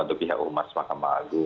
atau pihak umars makamagung